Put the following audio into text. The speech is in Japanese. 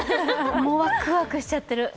もうワクワクしちゃってる。